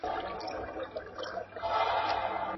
اورنګ زېب هم محتسب وو هم سلطان وو.